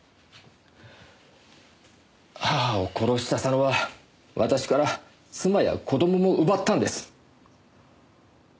母を殺した佐野は私から妻や子供も奪ったんです。